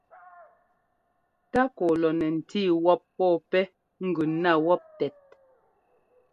Tákɔ lɔ nɛ ńtí wɔ́p pɔ́ɔ pɛ́ gʉ ná wɔ́p tɛt.